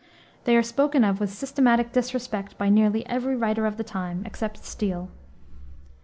They are spoken of with systematic disrespect by nearly every writer of the time, except Steele.